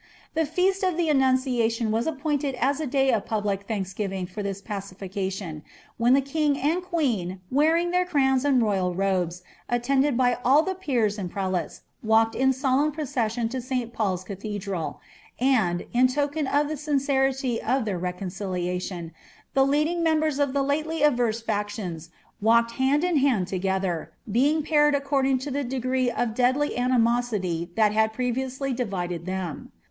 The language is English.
The feast of the Annnnrialion wko appointed as a day of public thanksgiving for this pacification, wheD lltB king and queen, wearing their crowns and royal robes, and atiended by all tlie peers and prelates, walked in solemn procession to St. Paurs Citlietlrttl ; and, in token of the sincerity of their reconciliation, the Ittdiag nieniliers of ilie litely adverM factions walked hind in hand u» getlier, being paired according to the degree of deadly animosity tliat liad previously divided ihem.